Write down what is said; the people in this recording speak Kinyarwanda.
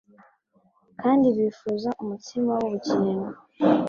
kandi bifuza umutsima w'ubugingo,